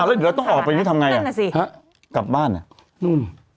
อ่าแล้วเดี๋ยวต้องออกไปนี่ทำไงอ่ะนั่นแหละสิห้ะกลับบ้านอ่ะอืม